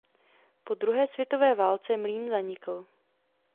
Po druhé světové válce mlýn zanikl.